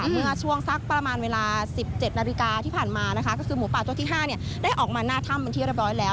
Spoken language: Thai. เมื่อช่วงสักประมาณเวลา๑๗นาฬิกาที่ผ่านมานะคะก็คือหมูป่าตัวที่๕ได้ออกมาหน้าถ้ำเป็นที่เรียบร้อยแล้ว